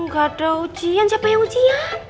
gak ada ujian siapa yang ujian